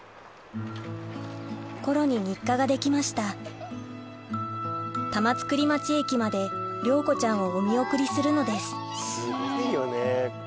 コロに日課ができました玉造町駅まで亮子ちゃんをお見送りするのですすごいよね。